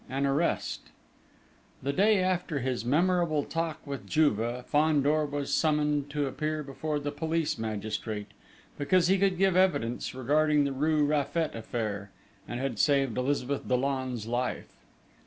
XVII AN ARREST The day after his memorable talk with Juve, Fandor was summoned to appear before the police magistrate, because he could give evidence regarding the rue Raffet affair, and had saved Elizabeth Dollon's life.